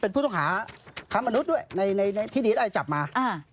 เป็นผู้ต้องหาครั้งมานุษย์ด้วยที่นี่ได้จับมา